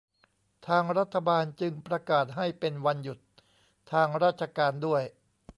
ทางรัฐบาลจึงประกาศให้เป็นวันหยุดทางราชการด้วย